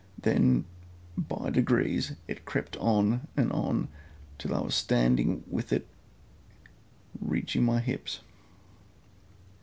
Then by degrees it crept on and on till I was standing with it reaching my hips.